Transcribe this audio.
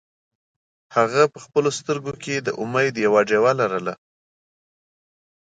هغه په خپلو سترګو کې د امید یوه ډېوه لرله.